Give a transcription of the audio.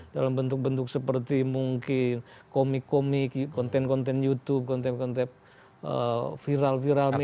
dalam bentuk bentuk seperti mungkin komik komik konten konten youtube konten konten viral viral media